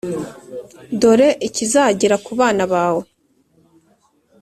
Dore ikizagera ku bana bawe